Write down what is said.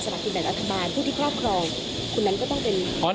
สถานการณ์อัฐบาลผู้ที่ครอบครองคุณนั้นก็ต้องเป็น